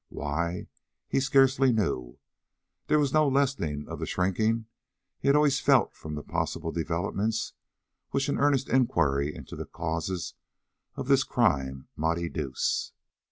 Why, he scarcely knew. There was no lessening of the shrinking he had always felt from the possible developments which an earnest inquiry into the causes of this crime might educe.